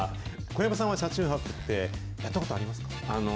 小籔さんは、車中泊ってやったことありますか？